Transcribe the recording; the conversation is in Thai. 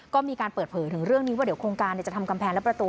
ก็มีการเปิดเผยถึงเรื่องนี้ว่าเดี๋ยวโครงการจะทำกำแพงและประตู